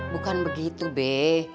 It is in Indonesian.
bukan begitu be